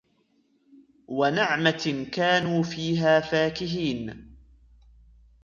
ونعمة كانوا فيها فاكهين